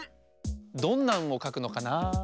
どんな「ん」をかくのかな？